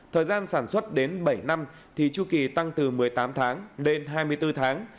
thời gian sản xuất đến bảy năm thì chu kỳ tăng từ một mươi tám tháng lên hai mươi bốn tháng